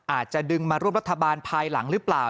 อาจจะดึงมาร่วมรัฐบาลภายหลังหรือเปล่า